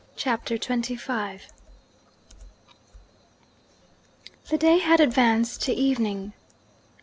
CHAPTER XXV The day had advanced to evening.